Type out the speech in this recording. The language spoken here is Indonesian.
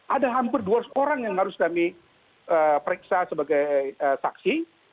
ada hampir dua ratus orang yang harus kami periksa sebagai saksi